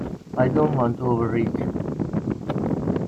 I don't want to overreach.